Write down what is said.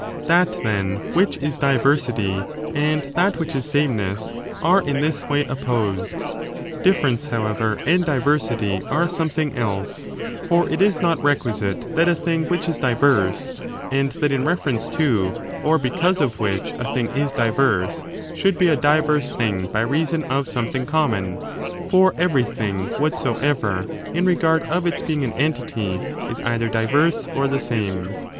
That, then, which is diversity, and that which is sameness, are in this way opposed. Difference, however, and diversity are something else ; for it is not requisite that a thing which is diverse, and that in reference to, or because of which, a thing is diverse, should be a diverse thing by reason of something common;^ for everything whatsoever, in regard of its being an entity, is either diverse or the same.